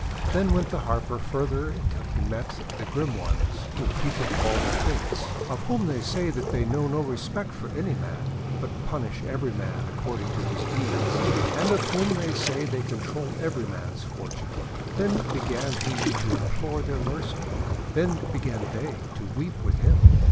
Then went the Harper farther until he met the grim ones whom people call the Fates, of whom they say that they know no respect for any man, but punish every man according to his deeds, and of whom they say they control every man's fortune. Then began he to im plore their mercy. Then began they to weep with him.